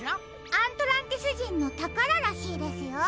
アントランティスじんのたかららしいですよ。